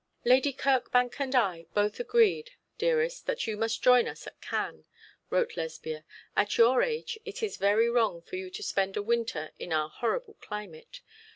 'Lady Kirkbank and I are both agreed, dearest, that you must join us at Cannes,' wrote Lesbia. 'At your age it is very wrong of you to spend a winter in our horrible climate.